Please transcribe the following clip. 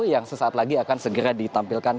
yang sesaat lagi akan segera ditampilkan